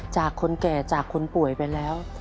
จากคนแก่จากคนป่วยไปแล้ว